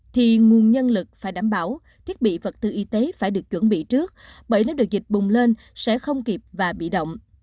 thì nguồn nhân lực phải đảm bảo thiết bị vật tư y tế phải được chuẩn bị trước bởi nếu được dịch bùng lên sẽ không kịp và bị động